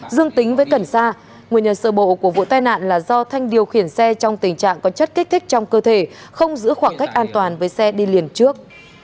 dương tính với cẩn xa nguyên nhân sơ bộ của vụ tai nạn là do thanh điều khiển xe trong tình trạng có chất kích thích trong cơ thể không giữ khoảng cách an toàn với xe đi liền trước